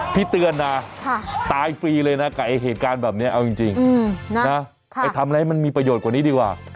เตือนนะตายฟรีเลยนะกับเหตุการณ์แบบนี้เอาจริงนะไปทำอะไรให้มันมีประโยชน์กว่านี้ดีกว่า